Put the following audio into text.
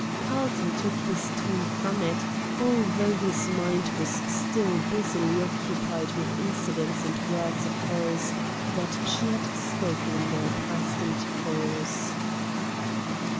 Carlton took his tone from it, although his mind was still busily occupied with incidents and words of hers that she had spoken in their past intercourse.